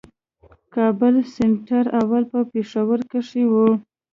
کابل سېنټر اول په پېښور کښي وو.